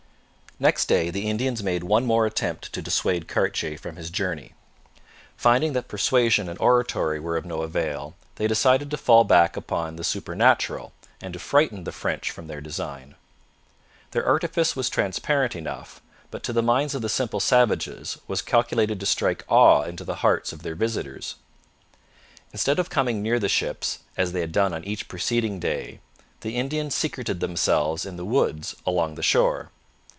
Next day the Indians made one more attempt to dissuade Cartier from his journey. Finding that persuasion and oratory were of no avail, they decided to fall back upon the supernatural and to frighten the French from their design. Their artifice was transparent enough, but to the minds of the simple savages was calculated to strike awe into the hearts of their visitors. Instead of coming near the ships, as they had done on each preceding day, the Indians secreted themselves in the woods along the shore.